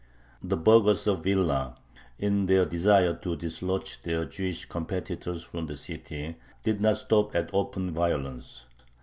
The burghers of Vilna, in their desire to dislodge their Jewish competitors from the city, did not stop at open violence.